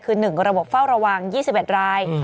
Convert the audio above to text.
คือ๑ระบบเฝ้าระวัง๒๑ราย